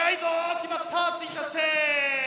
決まった！